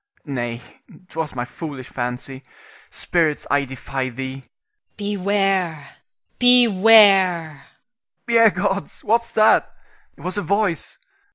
Nay, 'twas my foolish fancy. Spirits, I defy thee! Ione. Beware! Beware! Rienzi. Ye gods, what's that? It was a voice.